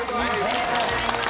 ・おめでとうございます。